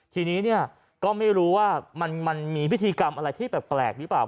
ทีนี้เนี่ยก็ไม่รู้ว่ามันมีพิธีกรรมอะไรที่แปลกหรือเปล่า